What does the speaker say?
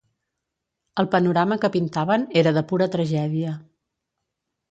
El panorama que pintaven era de pura tragèdia.